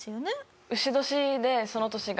丑年でその年が。